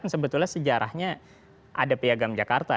sebetulnya sejarahnya ada piagam jakarta